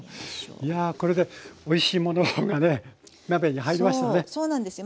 いやこれでおいしいものがね鍋に入りましたね。